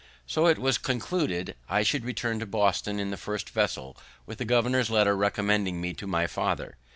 So it was concluded I should return to Boston in the first vessel, with the governor's letter recommending me to my father.